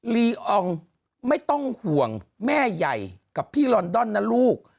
ลีอองไม่ต้องห่วงแม่ใหญ่กับพี่ลอนดอนนะลูก